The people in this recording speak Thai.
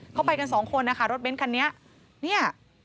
เขาไปกัน๒คนนะคะรถเบ้นคันนี้